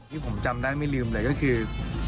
ที่ผมจำได้ไม่ลืมเลยก็คือ